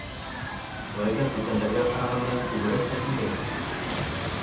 Шулай ҙа бүтәндәргә ҡарағанда күберәк тәтелдәй.